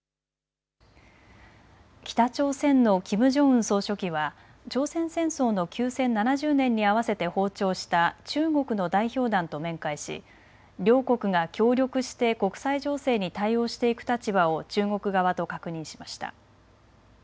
北朝鮮のキム・ジョンウン総書記は朝鮮戦争の休戦７０年に合わせて訪朝した中国の代表団と面会し両国が協力して国際情勢に対応していく立場を中国側と確認しました。